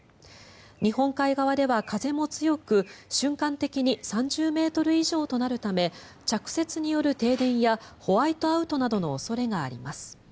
日本海側では風も強く瞬間的に３０ｍ以上となるため着雪による停電やホワイトアウトなどの恐れがあります。